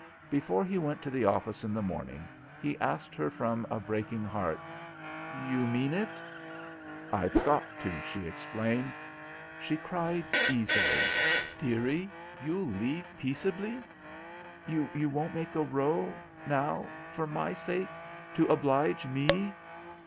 Before he went to the office in the morning, he asked her from a breaking heart: "You mean it?" "I've got to," she explained. She cried easily. "Dearie, you'll leave peaceably? You won't make a row? Now, for my sake! To oblige me!